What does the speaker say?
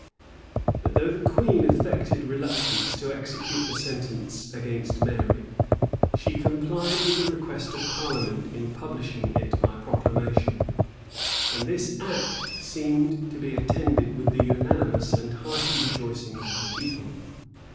[*] But though the queen affected reluctance to execute the sentence against Mary, she complied with the request of parliament in publishing it by proclamation; and this act seemed to be attended with the unanimous and hearty rejoicings of the people.